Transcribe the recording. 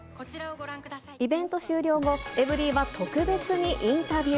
イベント終了後、エブリィは特別にインタビュー。